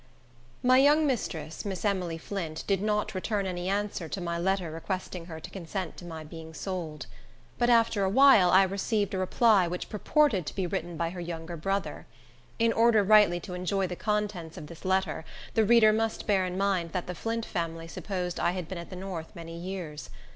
My young mistress, Miss Emily Flint, did not return any answer to my letter requesting her to consent to my being sold. But after a while, I received a reply, which purported to be written by her younger brother. In order rightly to enjoy the contents of this letter, the reader must bear in mind that the Flint family supposed I had been at the north many years.